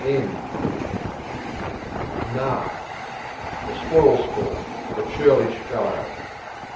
Nark s. A spoil sport; a churlish fellow.